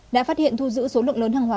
đã phát hiện thu giữ số lượng lớn hàng hóa